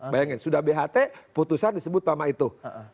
bayangin sudah bht putusan disebut nama itu